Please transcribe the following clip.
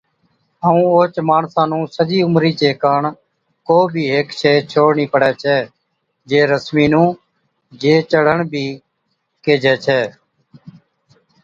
ائُون اوھچ ماڻسان نُون (جڪو سک ڀرَي ڇَي) سجي عمرِي چي ڪاڻ ڪو بِي ھيڪ شيء ڇوڙڻِي پڙَي ڇَي، ’جي رسمي نُون جِي چڙھڻ بِي ڪيھجَي ڇَي‘